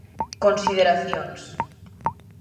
Consideracións.